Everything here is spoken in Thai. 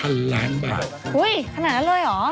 อุ้ยขนาดนั้นเลยหรอ